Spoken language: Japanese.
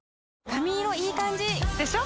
髪色いい感じ！でしょ？